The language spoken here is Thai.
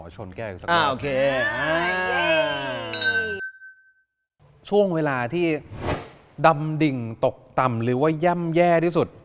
ช่วงเวลาที่ดำดิ่งตกต่ำหรือว่าย่ำแย่ที่สุด